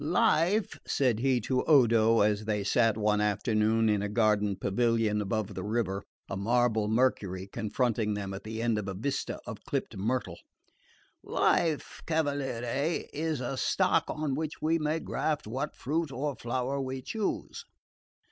"Life," said he to Odo, as they sat one afternoon in a garden pavilion above the river, a marble Mercury confronting them at the end of a vista of clipped myrtle, "life, cavaliere, is a stock on which we may graft what fruit or flower we choose.